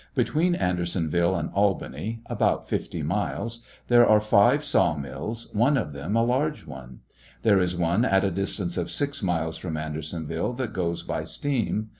Between Andersonville and Albany — about fifty miles —there are five saw mills, one of them a large one. There is one at a distance of six miles from Andersonville that goes by steam.